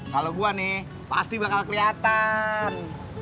kalau gue nih pasti bakal kelihatan